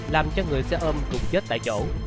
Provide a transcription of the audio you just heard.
làm cho người xe ôm cùng chết tại chỗ